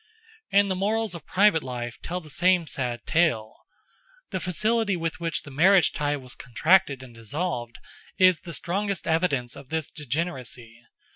And the morals of private life tell the same sad tale. The facility with which the marriage tie was contracted and dissolved is the strongest evidence of this degeneracy.